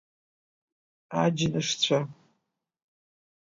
Аџьнышцәа!